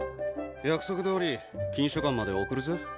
約束どおり禁書館まで送るぜ